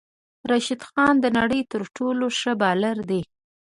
راشد خان د نړی تر ټولو ښه بالر دی